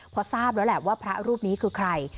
พอทราบแล้วแหละว่าพระรูปนี้คือใคร